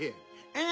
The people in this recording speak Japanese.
え？